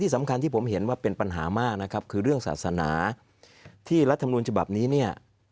สำคัญที่ผมเห็นว่าเป็นปัญหามากนะครับคือเรื่องศาสนาที่รัฐมนุนฉบับนี้เนี่ย